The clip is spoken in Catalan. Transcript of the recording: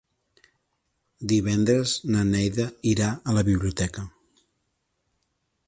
Divendres na Neida irà a la biblioteca.